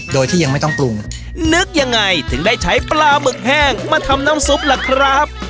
โดยที่ยังไม่ต้องปรุงนึกยังไงถึงได้ใช้ปลาหมึกแห้งมาทำน้ำซุปล่ะครับ